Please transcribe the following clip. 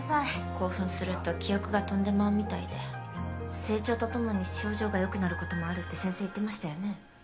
興奮すると記憶が飛んでまうみたいで成長とともに症状がよくなることもあるって先生言ってましたよね？